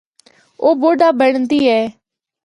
او بڈھا بنڑدی اے۔